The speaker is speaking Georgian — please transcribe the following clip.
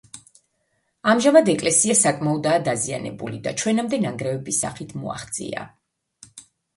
ამჟამად ეკლესია საკმაოდაა დაზიანებული და ჩვენამდე ნანგრევების სახით მოაღწია.